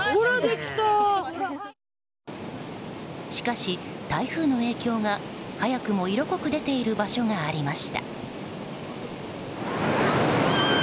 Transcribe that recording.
しかし、台風の影響が早くも色濃く出ている場所がありました。